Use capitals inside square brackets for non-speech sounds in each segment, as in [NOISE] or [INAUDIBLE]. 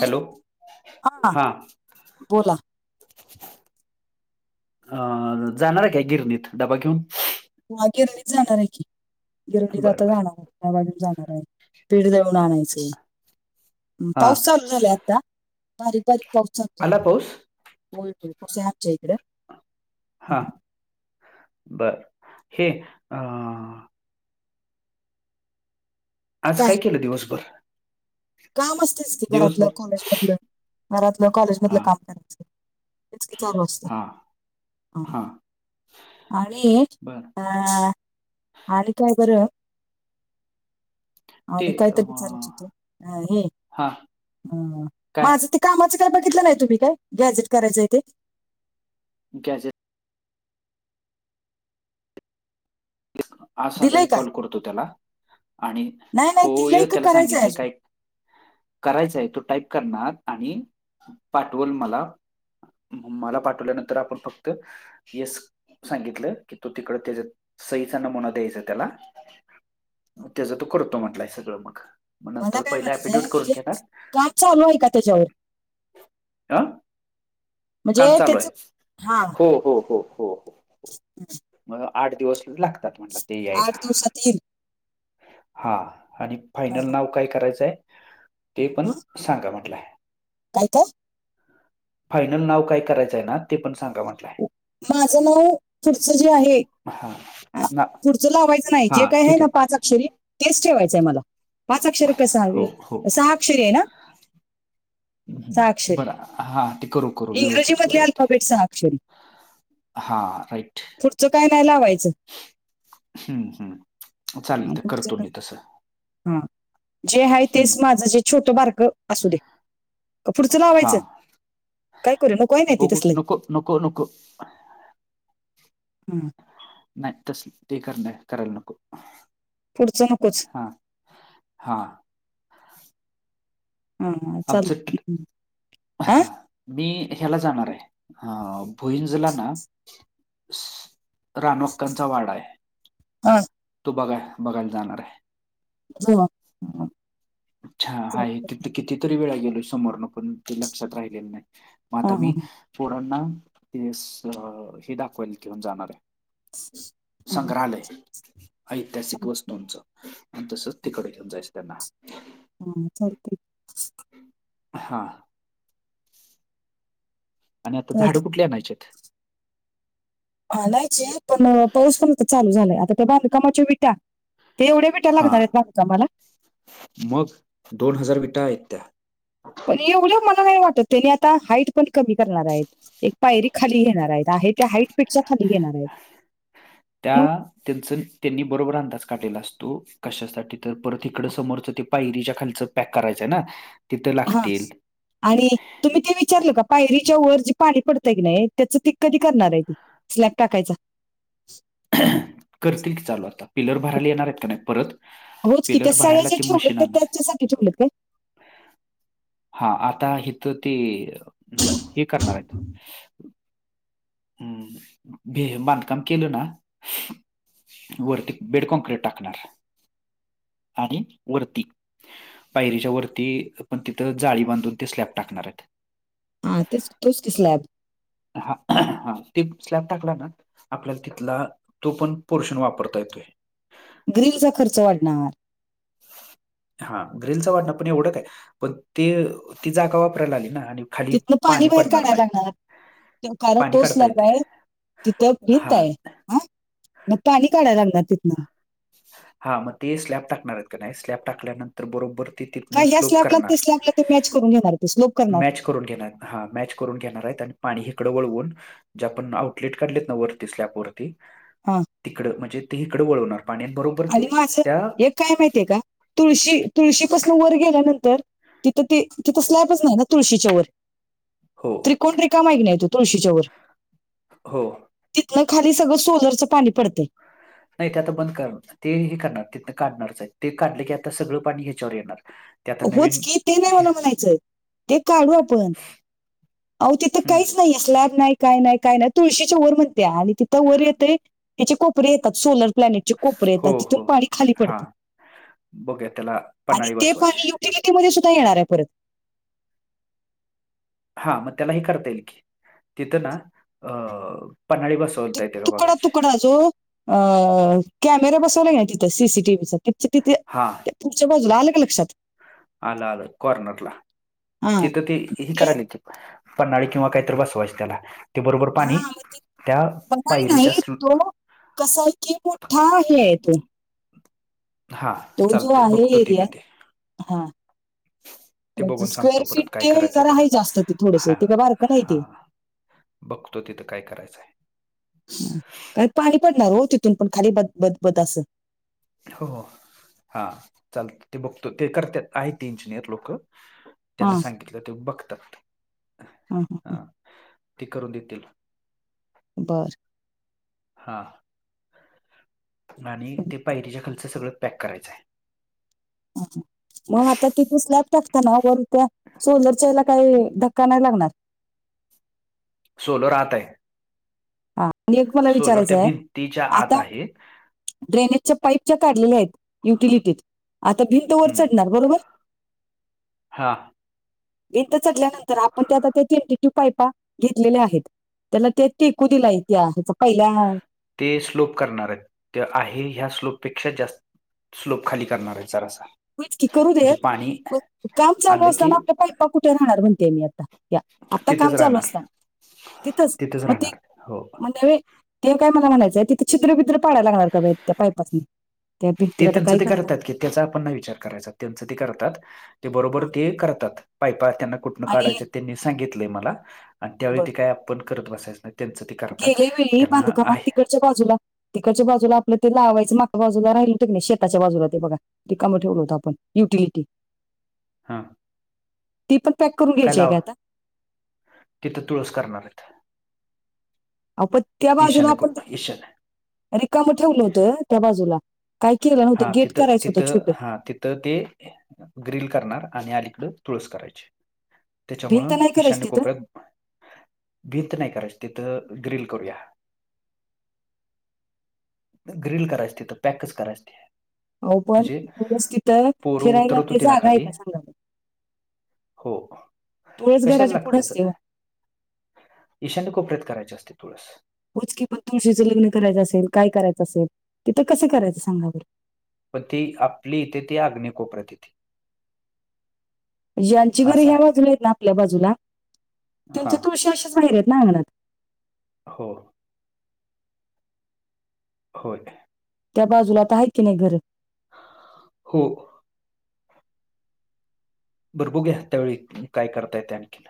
Hello हा. बोला अं- जाणार आहे काय, गिरणीत डबा घेऊन. होय. गिरणीत जाणार आहे की, गिरणीत बर आता बर जाणार ये. [UNINTELLIGIBLE] जाणार आहे. पिठ दळून आणायचे. हा पाऊस चालू झालाय आता, बारीक बारीक पाऊस चालू आला झालाय. पाऊस होय होय. पाऊस आहे आमचे इकडं. हा. बर हे अं.. आज काय केलं दिवसभर. काम असतेच की घरातलं दिवसभर कॉलेजमधलं घरातलं कॉलेजमधलं हा काम करायचं. तेच की चालू असत हा हा. आणि बर अ आणि काय बरं? ते आणि काय तर अं, विचारायच होत हे हा काय माझं ते कामाचं काय बघितलं नाही तुम्ही काय गॅजेट करायचंय ते? गॅजे आज दिलंय संध्याकाळी का कॉल करतो त्याला आणि नाही नाही होय दिलंय का त्याला करायचंय सांगितलय अजून काय करायचय तो टाईप करणार आणि पाठवल मला मला पाठवल्यानंतर आपण फक्त येस सांगितलं की तो तिकड त्याच्या सईचा नमुना द्यायचा त्याला मग त्याच तो करतो म्हटलाय सगळं मग. मग मला नंतर काय पहिलं ॲफिडेविट म्हणायचंय करून म्हणजे घेणार का चालू आहे का त्याच्यावर? हं काम म्हणजे त्याच चालूय हा हो हो हो हो हो. [INAUDIBLE] मग आठ दिवस लागतात. म्हटलं ते आठ यायला दिवसात इल. हा आणि फायनल नाव काय करायचंय ते पण हं? सांगा म्हटलाय. काय काय? फायनल नाव काय करायचंय ना ते पण सांग माझं नाव फुडच जी आहे. हा ना पुढचं लावायचं नाही जे हा काय आहे ठीक ना पाच अक्षरी तेच ठेवायचं आहे मला. पाचक्षर का हो सहावीए सहा अक्षरी अय ना? हम् सहा हम् अक्षरी बरा हा ते करू करू इंग्रजी व्यवस्थित मधले करूया ते. अल्फाबेट सहा अक्षरी हा राई पुढचं काय नाही लावायचं हम्म, हम्म. चालेल तर पुढचं करतो काय? मी तसं हा जे आहे हम्म. तेच माझं जे छोटं बारक असू दे. का पुढचं हा लावायचं काय करूया नकोय नाहीती बघू तसल. नको नको नको हम् नाही तस त कर करायला नको. पुढचं नकोच. आ हा. हां चाल आमचं ट आ हां, मी ह्याला जाणार आहे अ भुईंजला ना रानोक्कांचा वाडा आहे. हा. तू बघा बघायला जाणार आहे जेवा. हा, अच्छा चल. आहे ती कितीतरी वेळा गेलो समोरन पण ते लक्षात राहिले नाही मग हा, आता मी हा, पोरांना तेस हे दाखवाल घेऊन जाणार आहे. हा, हा, संग्रहालय ऐतिहासिक चल. वस्तूंचं आणि तसच तिकडे घेऊन जायचं त्यांना. हम्म चालतय. हा आणि आता झाड चालतंय. कुठली आणायचेत? आनायचे पण पाऊस पण चालू झालाय आता ते बांधकामाचे विटा ते एवढे विट त्या लागणार हां, आहेत बांधकामाला? मग दोन हजार विटा आहेत त्या. पण एवढ मला नाही वाटत त्यांनी आता हाईट पण कमी करणार आहेत. एक पायरी खाली घेणार आहेत आहे त्या हाईट पेक्षा खाली घेणार आहेत. [INAUDIBLE] त्या मग त्यांच त्यांनी बरोबर अंदाज काढलेला असतो कशासाठी तर परत इकडं समोरचं ते पायरीच्या खालच पॅक करायचंय ना? तिथं हा लागतील आणि तुम्ही ते विचारलं का पायरीच्या वर जे पाणी पडतयं की, नाही त्याचं ते कधी करणार आहे. स्लॅब टाकायच [UNINTELLIGIBLE] करतील की, चालू आता पिलर भरायला येणार आहेत की नाही परत होच की, त्या पिलर सळ्या भरायला ज्या ते मशीन ठेवलेत आणणार आहे. त्याच्यासाठी ठेवलेत काय? [UNINTELLIGIBLE] हा आता हिथ ते हे करणार आहेत. हम ते बांधकाम केेलं ना? वरती बेडकॉनक्र्रीट टाकणार आणि वरती पायरीच्या वरती पण तिथं जाळी बांधून ते स्लॅब टाकणार आहेत. हा तेच तोचं कि स्लॅब. हा हा टिब स्लॅब टाकला ना आपल्या तिथला, तो पण पोर्शन वापरता येतोय. ग्रीलचा खर्च वाढणार. हा ग्रिलचं वाटण पण एवढं काय? आहे पण ते ती जागा वापरायला आली ना आणि खाली तिथन पाणी बाहेर पडणार काढायला नाही लागणार? कारण, पाणी तो काढता स्लॅब येते आहे तिथं भिंत हा आहे. ह मग पाणी काढायला लागणार तिथनं. हा मग ते स्लॅब टाकणार आहेत, का नाही स्लॅब टाकल्यानंतर बरोबर ते तिथनं काय ह्या स्लोप स्लॅबला ते करणार. स्लॅबला ते मॅच करून घेणार ते स्लोप करणार. मॅच करून घेणार येत मॅच करून घेणार, आणि पाणी हिकड वळवून. जे आपण आउटलेट काढलेत ना वरती स्लॅब वरती हा. तिकडं म्हणजे ते हिकडं वळवणार पाण्या बरो आणि मग असं हे काय माहितीय, का तुळशी तुळशीपासून वर गेल्यानंतर तिथं ते तिथं स्लॅबच नाही ना तुळशीच्या वर. हो त्रिकोण रिकामा आहे, का नाही तो तुळशीच्या वर हो. तिथनं खाली सगळं सोलरचं पाणी पडतयं. नाही ते आता बंद कर ते हे करणार तिथन काढणारच आहेत, ते काढलं की आता सगळं पाणी ह्याच्यावर येणार. ते आता होच, नवीन की ते नाही मला म्हणायचंय ते काढू आपण आहो तिथं काहीच ना स्लॅब नाही, काय नाही काय नाही तुळशीच्या वर म्हणत्या आणि तिथं वर येतय तेची कोपरी येतात, सोलर प्लॅनेटचे कोपरे येतात, हो, तिथून हो. पाणी खाली हां. पडतं बघूया त्याला आणि पन्हाळी ते बसवायची. तिला ती [UNINTELLIGIBLE] सुद्धा येणार आहे परत. हा मग त्याला हे करता येईल, की तिथं ना पन्हाळी बस तुकडा तुकडा जो अ कॅमेरा बसवला ना तिथं सी सी टी व्ही चा त्याच्या हां, तिथे पुढच्या बाजूला आलं का लक्षांत. आलं आलं कॉर्नरला हा तिथं ते ह ते करायल की, पन्हाळी किंवा काहीतरी बसवायच त्याला ते बरोबर हा पाणी मग ते त्या पायरीच्या कस आहे कि मोठा हे आहे तो हा तो जो चालतयं आहे बघतो ते एरिया मी ते हा. ते त्याचं बघून स्क्वेअर सांगतो फीट परत काय ते करायचंय जरा आहे त्याला. जास्त ते थोडेस हां, ते काय बारकं नाही ते. हां. बघतो तिथं काय करायचंय. काय पाणी पडणार हो तिथून पण खाली बद बद असं. हो हो हा चालतंय, ते बघतो ते करत्यात आहे ते इंजिनिअर लोक हा त्यांना सांगितलं ते बघतात हा हा. ह ते करून देतील. बरं. हा आणि हा, ते पायरीच्या खालचं सगळं पॅक करायचं आहे. मग आता तिथे स्लॅब टाकत ना वरून त्या सोलरच्याला काही धक्का नाही लागणार. सोलर आत आहे म एक मला सोलर त्या विचारायचंय भिंतीच्या आत आता- आहे ड्रेनेजच्या पाईपच्या काढलेल्या आहेत युटिलिटीत आता भिंत वर चढणार बरोबर हा भिंत चढल्यानंतर आपण ते आता त्या तेनटीट्यूब पायपा घेतलेल्या आहेत त्याला ते टेकु दिला त्याच पहिल्या ते स्लोप करणार आहेत ते आहे ह्या स्लोपपेक्षा जास्त स्लोप खाली करणार आहेत जरासा. इतकी करू म्हणजे पाणी देत काम चालू आलं की असताना आपल्या पाईपा कुठे राहणार म्हणते मी आता त्या आता तिथंच काम चालू राहणार असत तिथंच राहणार हो मग ते ते काय मला म्हणायचंय तिथं छीद्रबिद्र पाडायला लागणार का बा त्या पाईपासनी त्या भिंती ते ला त्यांचं काय ते करतात की त्याचा आपण नाही विचार करायचा त्यांच ते करतात बरोबर हा ते करतात पाइपा आण - कुंपण आणि काढायच त्यांनी सांगितलं मला आणि त्यावेळी बर ते काय आपण करत बसायच नाही. त्यांच ते करतात, त्यांना आहे- च्या बाजूला तिकडच्या बाजूला आपलं ते लावायचं मागच्या बाजूला राहिल हो ते नाही शेताच्या बाजूला ते बघा. रिकाम ठेवलं होत आपण युटिलिटी हा ती पण पॅक करून घ्यायची आहे का आता? तिथं तुळस करणार आहेत अहो पण त्या बाजूला ईशान्य आपण को ईशान्य रिकाम ठेवलं होतं. त्या बाजूला, काय केलं ना- हा तिथं तिथं हा तिथं ते- ग्रील करणार आणि अलीकड तुळस करायची त्याच्यामुळ भिंत नाही करायची ईशान्य तिथं कोपऱ्यात भींत नाही करायच तिथं ग्रिल करूया ग्रिल करायचते तिथ पॅकच करायच ते. अहो पण म्हणजे तुळस तिथं पोरं फिरायला उतरत ते होती ना जागा आहे खाली का सांगा बरं? हो तुळस कशाला घराच्या लाग पुढे त्याच असते हो ईशान्य कोपरत करायचे असते तुळस. होच कि पण तुळशीचे लग्न करायचं असेल काय करायचं असेल तिथ कसे करायचं सांगा बर. पण ती आपली इथे ती आग्नेय कोपऱ्यात येते ज्यांची घरी असं ह्या आहे बाजूला आहेत ना आपल्या बाजूला हां त्यांच्या तुळशी अशेच बाहिर आहेत ना अंगणात हो होय. त्या बाजूला आ तर आहेत की नाही घर हो. बर बघूया त्यावेळी काय करता येत आणखीन.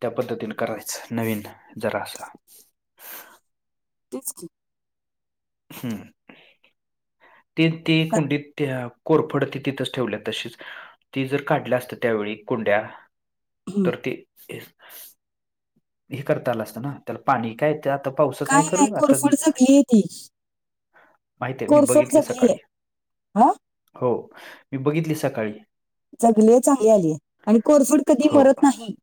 त्या पद्धतीने करायच नवीन जरा असल तेच की. हम्म ते ते का- कुंडीत त्या कोरफड ती तिथंच ठेवल्या तशीच ती जर काढल्या असतं त्यावेळी कुंड्या हं. तर ते- हे करता आलं असतं ना त्याला पाणी काय त्या काय नाही कोरफडीच जंगली ती- माहिती आहे मी कोरफड बघितली जगली सकाळी आहे हा. हो मी बघितली सकाळी- चगले चांगली आली य आणि कोरफड कधी हो मरत नाही.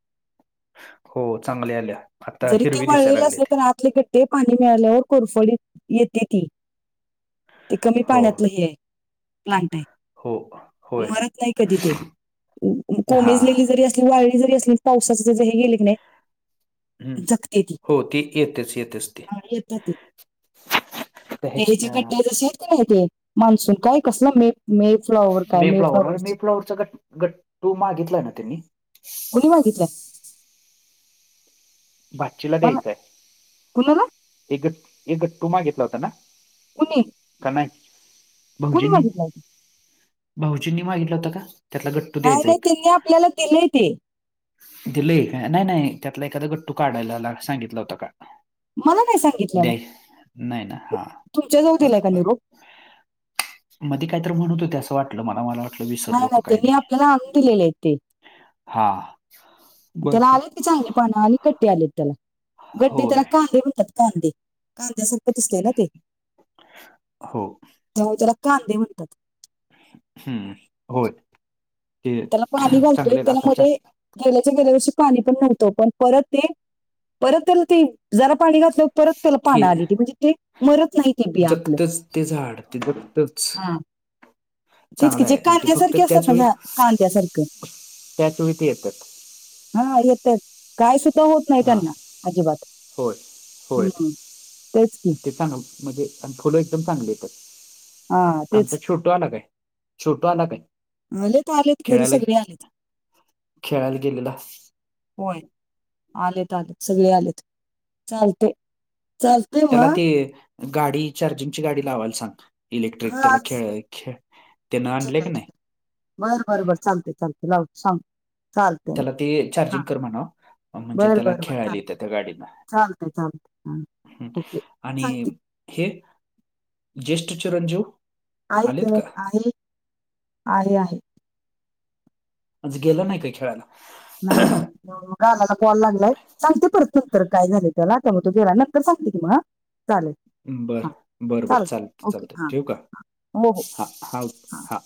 हो चांगली आल्या. आता जरी ते हिरवी दिसायला वळलेल लागले असले ते तर आतले गट्टे पाणी मिळाल्यावर कोरफडीत येत्या ती ते कमी हो पाण्यातलं हे आहे प्लांटाय. हो होय मरत नाही कधी ते हा कोमेजलेली जरी अस की वाळी जरी असली पावसाच जरी हे गेल की नाही हम्म. जगते ती हो येतेच येतेच ती ह यत ते - तर - ते ह्याची हेचे गड्डे्या जसे आहेत की नाही ते मान्सून काय कसलं मेप मे फ्लॉवर मेपलावरचा गट गट्टू मागितलाय ना त्यांनी - - कुणी मागितलाय? भाचीला मला द्यायचंय कुणाला एक गट एक गट्टू मागितला होता ना? कुणी? का नाही कुणी भाऊजींनी मागितलंय भाऊजींनी मागितलं होत का? त्यातला नाही नाही त्यांनी आपल्याला दिलेय ते दिलय काय? नाही, नाही त्यातला एखादा गट्टु काढायला ला सांगितला होत का? मला नाही सांगितल्या ला द्याय नाही ना म हा तुमच्या जवळ देलाय बरं काय बरं निरोप मध्ये काहीतर म्हणत होते असं वाटलं मला मला वाटलं नाही विसरलो का नाही काय मी त्यांनी आपल्याला आणुन दिलेले आहे ते हा. त्याला बरं आलेत ते चांगले पानं आणि कट्टी आलेत त्याला गड्डे होय. त्याला कांदे म्हणतात कांदे कांद्या सारख दिसतय ना ते. हो. हो त्याला कांदे म्हणतात हम्म होय. ते त्याला पाणी घालतोय चांगले त्याला आता मध्ये जास्त गेल्याच्या गेल्या वर्षी पाणी पण नव्हतं पण परत ते परत त्याला ते जरा पाणी घातलं परत तेल हे पाना आली ती म्हणजे ते मरत नाही ते बियातलं. जगतच ते झाड ते बघतच. तिचकी जे फक्त कांद्यासारखे त्याच असतात वेळी जा कांद्या सारखं. त्याच वेळी ते येतात. हा येतय. काय सुद्धा होत नाही हां त्यांना अजिबात होय. होय. हम्म. तेच की ते चांग म्हणजे फुलं एकदम चांगली येतात. हा आमचा तेच छोटू आला काय? छोटू आला काय? आलेत आलेत घरी खेळायला सगळे आलेत खेळायला गेलेला. होय आलेत आलेत सगळे आलेत चालते. चालते त्याला मग ते गाडी चार्जिंगची गाडी लावायला सांग. इलेक्ट्रिक हा त्याला खेळेळ खेळ त्यान आणलय की नाई. बरं बरं बर चालते चालते लावत सांगत त्याला ते चार्जिंग कर म्हणाव. म्हणजे बर त्याला बर बर चालते खेळायला येत्या गाडीन. चालतंय चालतंय हा ओके आणि सांगते हे ज्येष्ठ चीरन जीव. आहेत तर आहे आहे आहे. आजं गेलं नाही काही खेळायला. नाही. म गालाला बॉल लागलाय. सांगते परत नंतर काय झाले त्याला त्या मग तू गेला नंतर सांगते कि म. बर बरं बर चालेल चालत ओके चालत हा ठेऊका हो हो हा हा हा.